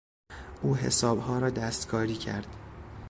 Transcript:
او حسابها را دستکاری کرد.